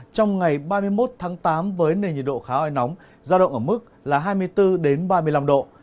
trong ngày ba mươi một tháng tám với nền nhiệt độ khá oi nóng giao động ở mức là hai mươi bốn ba mươi năm độ